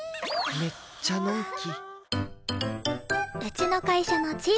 めっちゃのんき。